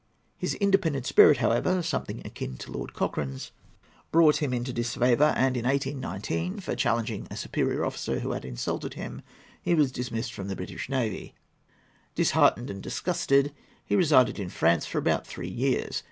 His independent spirit, however—something akin to Lord Cochrane's—brought him into disfavour, and, in 1819, for challenging a superior officer who had insulted him, he was dismissed from the British navy. Disheartened and disgusted, he resided in France for about three years.